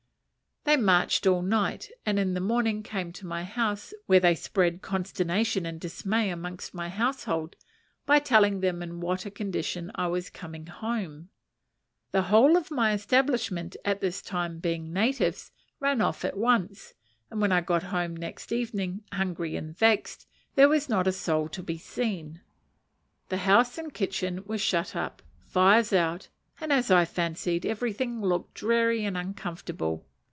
They marched all night, and in the morning came to my house, where they spread consternation and dismay amongst my household by telling them in what a condition I was coming home. The whole of my establishment at this time being natives, ran off at once; and when I got home next evening, hungry and vexed, there was not a soul to be seen. The house and kitchen were shut up, fires out, and, as I fancied, everything looked dreary and uncomfortable.